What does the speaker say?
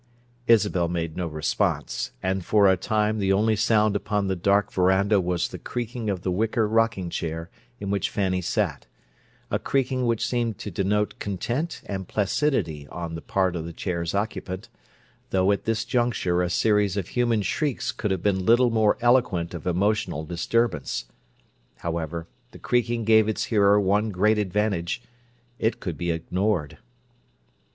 Isabel made no response, and for a time the only sound upon the dark veranda was the creaking of the wicker rocking chair in which Fanny sat—a creaking which seemed to denote content and placidity on the part of the chair's occupant, though at this juncture a series of human shrieks could have been little more eloquent of emotional disturbance. However, the creaking gave its hearer one great advantage: it could be ignored.